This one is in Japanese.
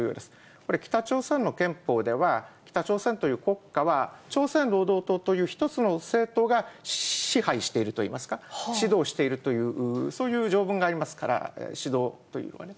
やっぱり北朝鮮の憲法では、北朝鮮という国家は朝鮮労働党という一つの政党が支配しているといいますか、指導しているという、そういう条文がありますから、指導というのはね。